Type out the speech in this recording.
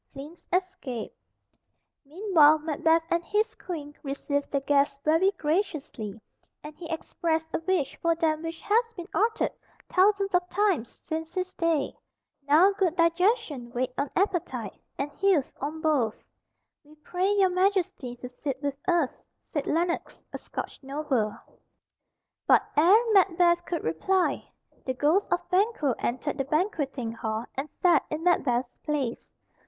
Fleance escaped. Meanwhile Macbeth and his Queen received their guests very graciously, and he expressed a wish for them which has been uttered thousands of times since his day "Now good digestion wait on appetite, and health on both." "We pray your Majesty to sit with us," said Lennox, a Scotch noble; but ere Macbeth could reply, the ghost of Banquo entered the banqueting hall and sat in Macbeth's place.